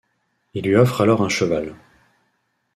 Il lui offre alors un cheval.